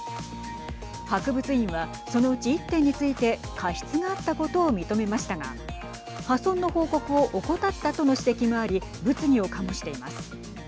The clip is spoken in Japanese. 博物院はそのうち１点について過失があったことを認めましたが破損の報告を怠ったとの指摘もあり物議を醸しています。